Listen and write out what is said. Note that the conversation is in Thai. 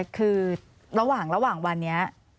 คือระหว่างระหว่างวันนี้